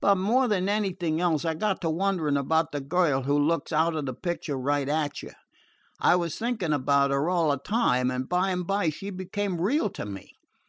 "But, more than anything else, I got to wondering about the girl who looks out of the picture right at you. I was thinking about her all the time, and by and by she became real to me.